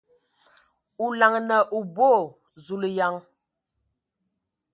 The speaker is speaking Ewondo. O laŋanǝ o boo ! Zulǝyaŋ!